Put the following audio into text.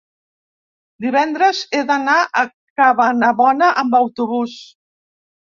divendres he d'anar a Cabanabona amb autobús.